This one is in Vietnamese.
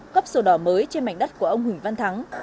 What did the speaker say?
cấp sổ đỏ mới trên mảnh đất của ông huỳnh văn thắng